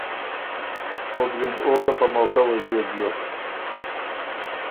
او بيې ن او ګۀ په موقع وݫیوک بیوک۔